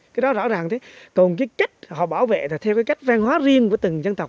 cái đó rõ ràng thế còn cái cách họ bảo vệ là theo cái cách văn hóa riêng của từng dân tộc